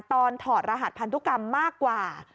ถอดรหัสพันธุกรรมมากกว่า